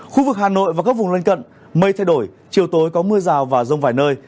khu vực hà nội và các vùng lên cận mây thay đổi chiều tối có mưa rào và rông rải rơi